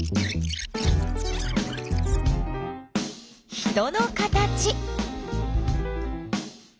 人の形。